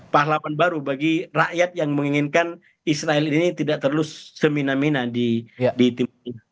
pahlawan baru bagi rakyat yang menginginkan israel ini tidak terus semina mina di timur